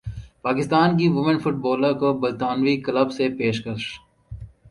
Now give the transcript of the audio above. پاکستان کی women footballer کو برطانوی کلب سے پیشکش